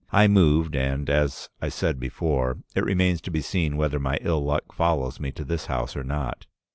I moved, and, as I said before, it remains to be seen whether my ill luck follows me to this house or not.